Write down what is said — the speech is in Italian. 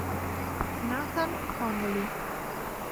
Nathan Connolly